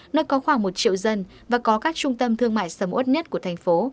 nơi có khoảng một triệu dân và có các trung tâm thương mại sầm ớt nhất của thành phố